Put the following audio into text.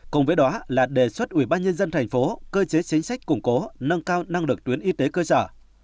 cùng với đó là đề xuất ubnd tp cơ chế chính sách củng cố